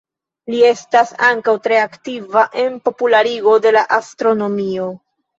Li estas ankaŭ tre aktiva en popularigo de la astronomio.